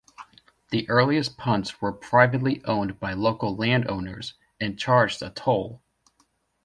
The earliest punts were privately owned by local landowners, and charged a toll.